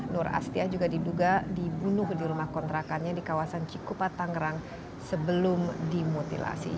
nur astia juga diduga dibunuh di rumah kontrakannya di kawasan cikupa tangerang sebelum dimutilasi